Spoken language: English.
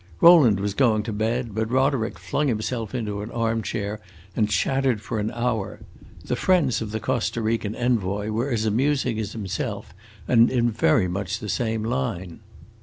Rowland was going to bed, but Roderick flung himself into an armchair and chattered for an hour. The friends of the Costa Rican envoy were as amusing as himself, and in very much the same line.